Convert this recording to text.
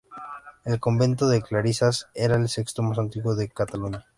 El convento de clarisas era el sexto más antiguo de Cataluña.